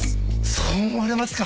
そう思われますか？